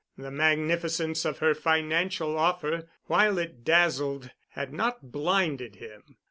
The magnificence of her financial offer, while it dazzled, had not blinded him.